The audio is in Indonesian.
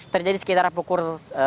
terjadi sekitar pukul